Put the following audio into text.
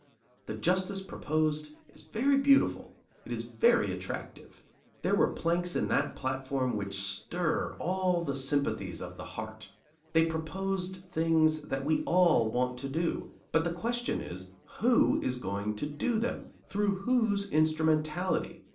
The justice proposed is very beautiful; it is very attractive; there were planks in that platform which stir all the sympathies of the heart; they proposed things that we all want to do; but the question is, Who is going to do them? Through whose instrumentality?